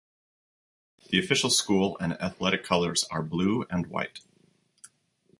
The official school and athletic colors are blue and white.